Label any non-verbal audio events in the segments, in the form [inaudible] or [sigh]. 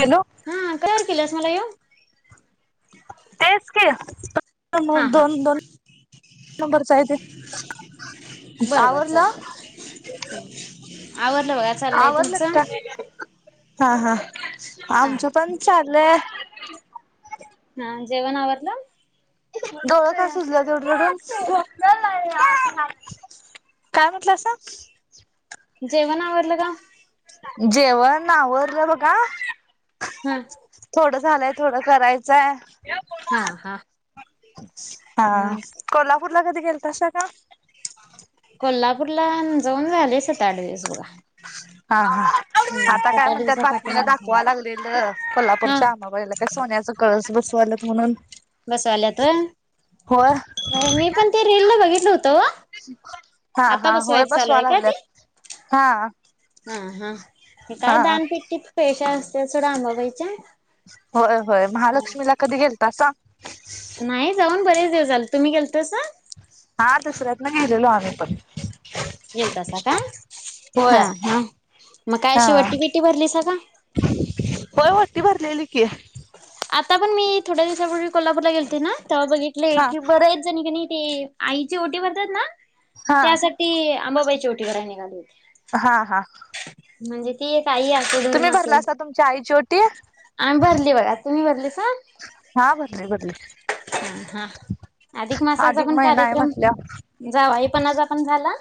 Hello हा काय अर केल अस मला ये तेच की हा हा दोन दोन नंबरच आहे ते बरोबर आवरलं चालल आवडलं बघा चाललंय आवरलं तुमचं का हा हा हा आमचं पण चालय हा जेवण आवरला डोळं का सुजलं तेवढ काय म्हटलं असं जेवण आवरडलं का जेवण नावरलं बघा हा थोडं झालंय थोडं करायचं सार हा हा हा कोल्हापूरला कधी गेल ता का कोल्हापूरला जाऊन झाले सात आठ दिस बघा हा हा हम् आता सात काय आठ म्हणतात दिवसा बातमीला पाठीमागे दाखवा लागलेल हा कोल्हापूरच्या आमाबाईला काय सोन्याचा कळस बसवायले बसवाल्यात होय व मी पण ते रेल ला बघितल होतं हा आता हा होय बसवायच बसवा चालूय का लागल्यात ते हा हा हा काय हा दानपिट्टत पेंशै असते सड आंबाबाईच्या होय होय महालक्ष्मीला कधी गेलता सांग लय दिवस झाले तुम्ही गेलतास हा दसरात नाहीलेलो आम पण येलतासा का होय हा हा मग काय हा अशी वटी बिटी भरली सग हो वटती भरलेली की आता पण मी थोड्या दिवसाांपूर्वी कोल्हापूरला गेलते ना तेव्हा बघितले हा की बरं आहेतच जणी क आईची ओटी भरतात ना हा त्यासाठी आंबाबाईची ओटी कराय निघाली होती हा हा म्हणजे ती काही असो घरम तुम्ही आपेल भरलासा तुमच्या आईची ओटी? आम्ही भरली बघा तुम्ही भरली. हा बरले बरले. ह हा अधिक मासाचा पण महिना आहे कार्यक्रम म्हटल्यावर जावईपणाचा पण झाला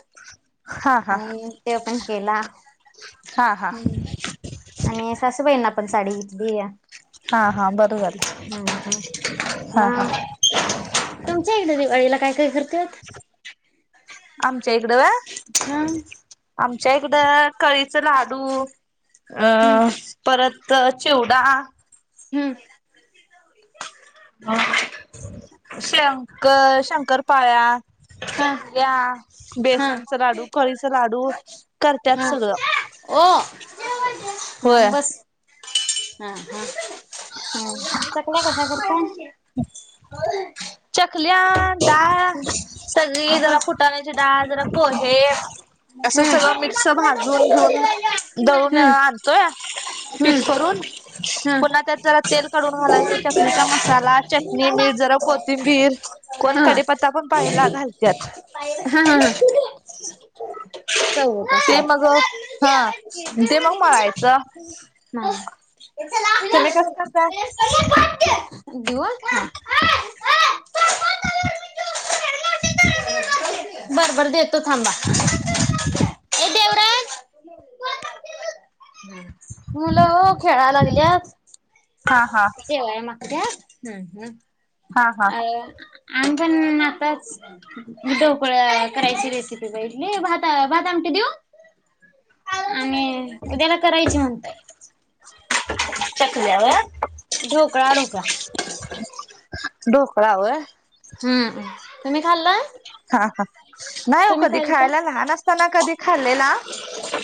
हा हा आणि ते पण केला. हा हा हम् आणि सासूबाईंना पण साडी घेतली या. हा हा रं झालं हा हा. मग तुमच्या इकडे दिवाळीला काय काय करतात? आमच्या इकडं व्हय? हा. आमच्या इकडं कळीचे लाडू, हम्म अं परत तर चिवडा हम्म. शंकर शंकरपाळ्या हा चकल्या, हा बेसनचा लाडू, कळीचा लाडू करतात सगळं. [inaudible] होय हम बस. हा हा ह. हा चकल्या कशा करता? चकल्या, डाळ सगळी जरा हम्म फुटाण्याची. डाळ, जरा पोहे असं सगळं मिक्स भाजून घेऊन. दळून हम्म आणतोय. पीठ हम्म करून, हा पुन्हा त्यात जरा तेल कढवून घालायचं, चकलीचा मसाला, चटणी, मीठ. जरा कोथिंबीर, कोण हा कडीपत्ता पण पायला घालतात. हाहा हा. चौकस. ते मग हा, ते मग मळायचं. नाही. तुम्ही देऊ हा. कसं करताय? [unintelligible] बर बर देतो, थांबा. ए देवराज मुलं, हो खेळायला लागल्यात. हा हा. [unintelligible] आमी हा हा पण, आताच ढोकळा करायची रेसिपी बघीतली, भात भात आमटी. ते देऊ? [inaudible] आणि, उद्याला करायची म्हणताय. चकल्यावर ढोकळा - ढोकळा. ढोकळा व हम्मम. हा हा नाही हो तुम्ही कधी खालता खायला लहान असताना कधी खाल्लेला.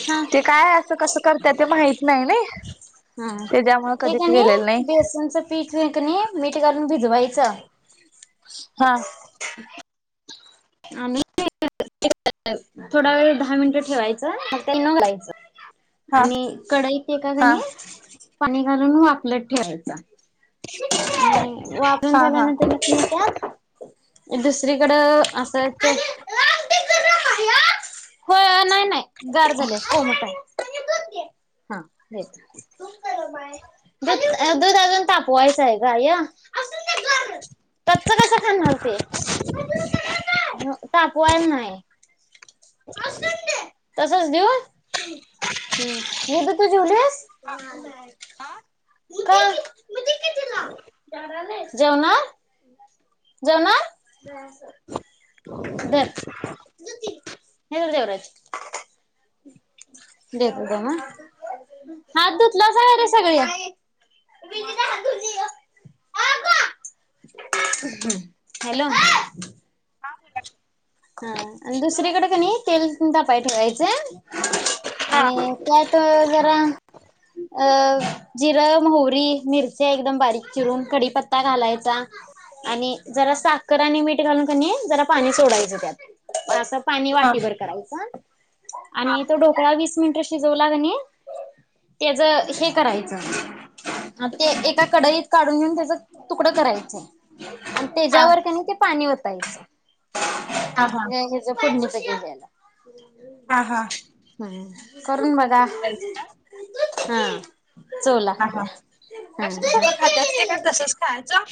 हा ते काय? असं कसं करत? ते माहित नाही ना? हम्म. ते काणी बेसनचं पीठ व कणी मीठ का प भिजवायचं हा. [inaudible] आ थोडा वेळ दहा मिनटं ठेवायचं, त्याला न घालायचं. हा आणि कढईत एका हा कणी पाणी घालून वापलत ठेवायचं. वापरून हा हा झाल्यानंतर न त्यात दुसरीकडं असं [inaudible] होय, नाही नाही. गार झाली, कोमट आहे हा देते. अ दुध अजून तापवायचं आहे का? कच्च कसं खाणार ते? तापवायला नाही. असच दे तसच देऊ? हम्म दीदी तू झेवलीस [unintelligible] जेवणार [unintelligible] जेवणार धर हे देवराज. [unintelligible] देतो ग हा हात धुतला काय रे सगळी [unintelligible] हॅलो ह ब [unintelligible] हा आणि दुसरीकडे का नाही तेल तापाय ठेवायच हा हा आणि काय त जरा [unintelligible] अ जिरं मोहरी मिरची एकदम बारीक चिरून कडीीपत्ता घालायचा आणि जरा साखर आणि मीठ घालून क नाही जरा पाणी सोडायचं त्यात पण असं पाणी हा हा वाटीभर करायच आणि तो ढोकळा वीस मिनिट शिजवला क ने त्येज हे करायचं आता एका कडाईत काढून घेऊन त्याच तुकडं करायचंय आणि तेजावर क ने ते पाणी वतायच हा हा त्या हेज फुडणीच जायला हा हा करून बग बरयचं का हा चोला कशाला सगळं खात्यात ते का तसच खायचं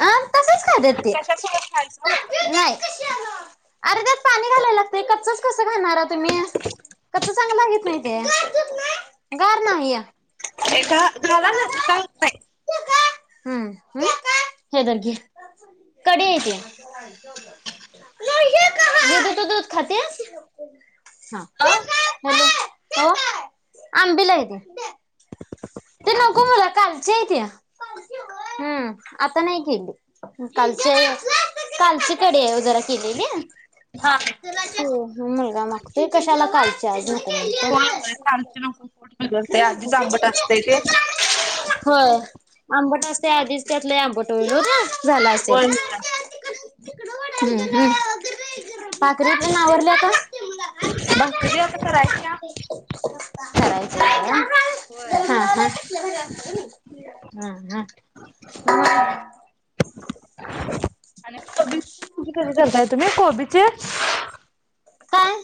हा अ तसच खात्यात ते कशाला सगळच खायचं म्हटलं नाही अरे त्यात पाणी घालायला लागतय कच्चच कसं घालणारा तुम्ही कस चांगल लागित नाही ते गार नाहीया [unintelligible] ते घालाना ते का होत नाही. हम्म हम हे धर घे कडी य ती. दूध खातीस अ [unintelligible] हो आंबील आहेे ती [unintelligible] ते नको मला कालच्ये हाय ते हम आता नाही केली कालची कालची कडी आहे. जरा केलेली हा मुलगा मागतोय कशाला कालची हाय नको. होय होय सारखी नको पोट बिघडतंय [unintelligible] ख आधीच आंबट असतंय [unintelligible] ते होय आंबट असते आधीच त्यातले आंबट होईल ओ ते [unintelligible] झाला असेल होय होय [unintelligible] भाकऱ्या तेन आवरल्या का भाकरी आता करायच्या कराय [unintelligible] होय. हम हम् हम [unintelligible] [unintelligible] आणि कोबीचे म्हणजे कसे करताय तुम्ही कोबीचे काय?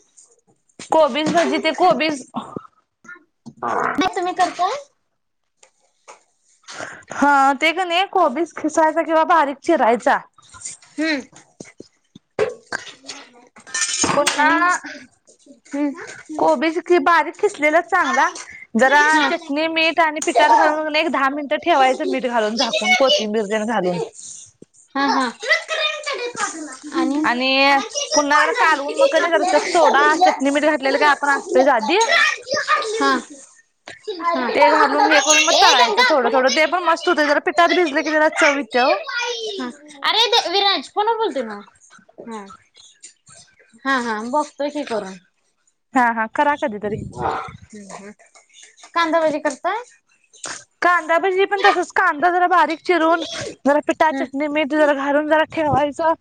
कोबीन नाही भाजी ते कोबीस तुम्ही करताय हा ते कानी कोबीस खिसायचा की बारिक चिरायचा हम्म आणि पुन्हा हम्म कोबीज कि भारीक खिसलेला चांगला जरा चटणी मीठ आणि पिठात घालून एक दहा मिनिटं ठेवायचं मीठ घालून झाकून कोथींबीर जरा घालून हा हा हा. [unintelligible] [unintelligible] आणि पुन्हा जरा कालून मग क ज सोडा चटणी मठ घातलेलं काय आपण असतो आधी ते. हा. [unintelligible] ते [inaudible] ते घालून हे करून मग ए तळायचं गंगा थोडं, फोन थोडं ते पण मस्त होत जरा पिठात भिजले की जरा चव ये त्या हो. अरे ते विराज फोन वर बोलतोय नव [unintelligible] हा हा बक्तोय की करून. हा हा करा कधीतरी कांदाभजी करताय? बारीक तच कांदा जरा बारीक चिरून ज पिठा हम्म, चटणी मीठ जरा घालून जरा ठेवायचं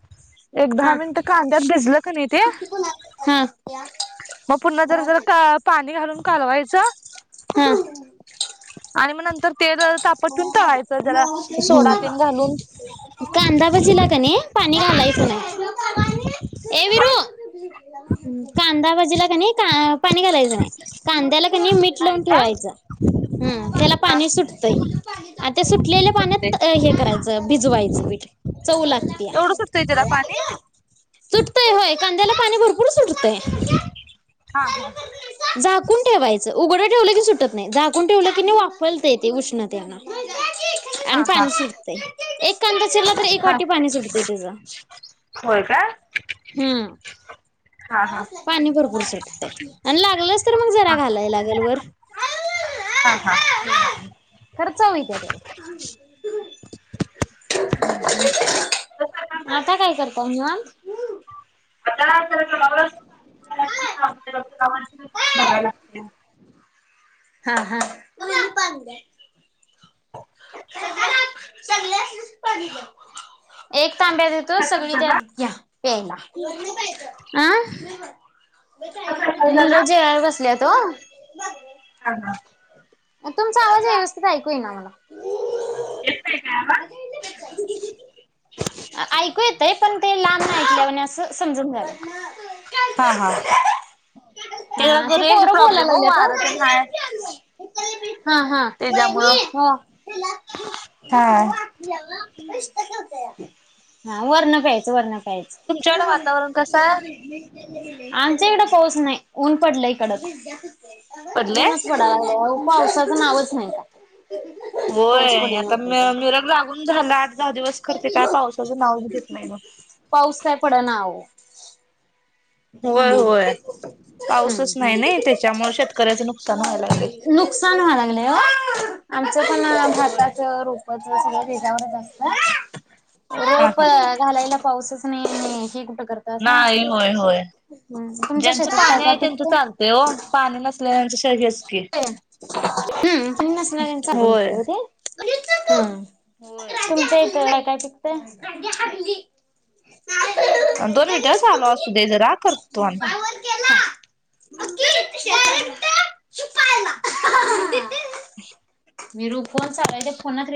एक हा दहा मिनट कांद्यात भिजल की नाही ते हा मग पुन्हा त जर, जर पाणी घालून कालवायचं हम्म. आणि म नंतर ते जरा तापटून तळायचं जरा सोडा तेन घालून कांदा भजीला कणी पाणी घालायच नाही नाही कांदाभजी ला कणी क [unintelligible] पाणी घालायच नाही कांद्याला कणी मीठ, लावून का ठेवायच त्याला हा पाणी सुट तय आता सुटलेल्या सुटते पाण्यात हे करायचं भिजवायचं पिठ चव लागते ला पाणी सुटतंय होय कांद्याला पाणी भर कुठ सुटतय हा हा झाकून ठेवायचं उघडं ठेवलं की सुटत नाही झाकून ठेवलं की नाही व वाफ तय तेे उष्णतेना आणि हा हा पाणी सुटतंय एक कांदा चिरला तर एक हा वाटी पाणी सुटतय तिचां होय काय हम्म हा हा पाणी भरपूर सुटत आहे आणि लागलंच तर मग जरा हा घालाय लागेल वर हा हा खर चव होईल का त्याला आता काय करत मग आता तर बघाय लाग हा हा चांगले अस पाणी हो एक तांब्या देतो सगळी त्यात झाला घ्या प्यायला अं तुमचा सायकल झाला मुलं जेवाय बसल्या त ओ हा हा तुमचा आवाज व्यवस्थित ऐकू येई ना मला येतोय का आवाज ऐकू येतय पण ते लांब नाही ऐकल्या म्ह असं समजून घ्याव [inaudible] हा हा हा अग ते रेंज पोरं बोलायला प्रॉब्लेम हो लागल्यात वार ते हाय ओ हा हा त्याच्यामुळं तिला हा दुसर वाटल ग हा वर्ण प्यायचं वर्ण काहीच तुमच्याकडे वातावरण कसं आहे आमचा इकडं पाऊस नाही ऊन पडलं कडक पडले ऊनच पडा पावसाचं नावच नाही का होय पाऊस पडेल आता म म्हटलं मिरग लागून झाला आठ दहा दिवस करते काय तर. पावसाचं नाव घेत नाही म [inaudible] पाऊस काय पड ना अहो हम् होय ह होय ह पाऊसच नाही नाही त्याच्यामुळे शेतकऱ्याचं नुकसान व्हायला लागले नुकसान व्हा लागलंय अ आमचं पण होय भाताचं रोपच सगळं तेज्यावरच अस हा रोप हा घालायला पाऊसच नाई आणि ही [unintelligible] करता अस ज्यांच पाणी आय त्यांच पिकतंय? चालतय ओ पाणी नसल्यालयांच श [unintelligible] हेच की [inaudible] तुमच्या होय. होय. इत काय काय पिकतय दोन मिनिटच आलो असू दे जरा करतो [inaudible] [unintelligible] [inaudible] मीरू फोन चालूय त्या फोनाक